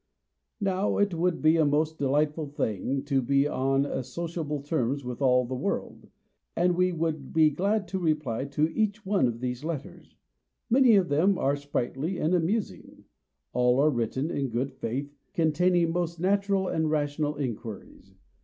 Now, it would be a most delightful thing to be on sociable terms with all the world; and we would be glad to reply to each one of these letters. Many of them are sprightly and amusing: all are written in good faith, containing most natural and rational inquiries.